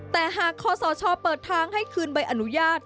แต่หากคอสชเปิดทางให้คืนใบอนุญาต